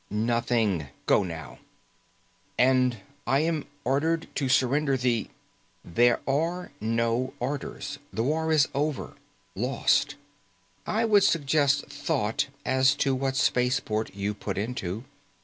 "Nothing. Go now." "And I am ordered to surrender the " "There are no orders. The war is over, lost. I would suggest thought as to what spaceport you put into.